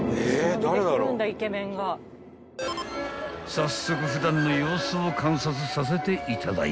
［早速普段の様子を観察させていただいた］